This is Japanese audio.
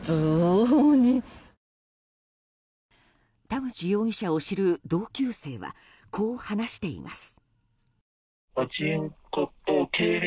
田口容疑者を知る同級生はこう話しています。